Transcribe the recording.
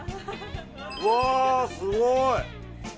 うわー、すごい。